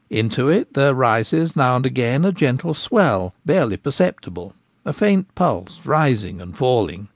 Into it there rises now and again a gentle swell — barely perceptible — a faint pulse rising and falling.